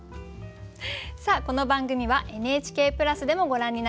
さあこの番組はＮＨＫプラスでもご覧になれます。